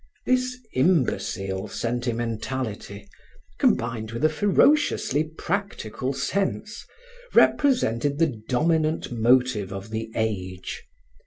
This imbecile sentimentality, combined with a ferociously practical sense, represented the dominant motive of the age.